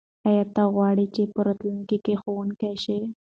آیا ته غواړې چې په راتلونکي کې ښوونکی شې؟